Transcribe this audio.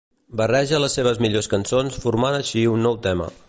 Barreja les seves millors cançons formant així un nou tema.